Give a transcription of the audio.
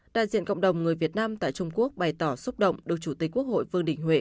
đại diện cộng đồng người việt nam tại trung quốc bày tỏ xúc động được chủ tịch quốc hội vương đình huệ